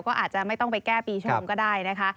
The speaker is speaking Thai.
ก็อาจจะไม่ต้องไปแก้ปีชงก็ได้นะคะ